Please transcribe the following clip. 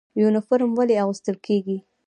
یونفورم ولې اغوستل کیږي؟